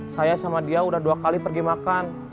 saya sama dia udah dua kali pergi makan